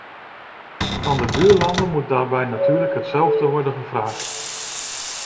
Van de buurlanden moet daarbij natuurlijk hetzelfde worden gevraagd.